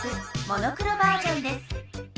モノクロバージョンです。